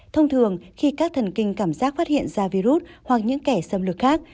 thông thường khi các thần kinh cảm giác phát hiện ra virus hoặc những kẻ xâm lược khác